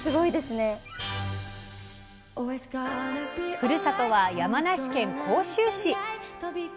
ふるさとは山梨県甲州市。